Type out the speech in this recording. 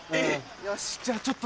よしじゃあちょっと。